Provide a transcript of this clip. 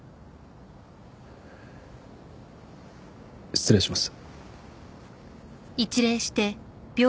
失礼します。